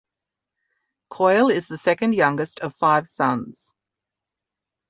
Coyle is the second youngest of five sons.